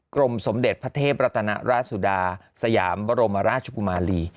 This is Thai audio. กรมสมเด็จพระเทพรัตนราชสุดาสยามบรมราชกุมารี